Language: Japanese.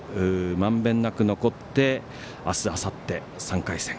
まんべんなく残って明日、あさって３回戦。